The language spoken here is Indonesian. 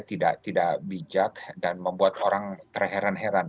tidak bijak dan membuat orang terheran heran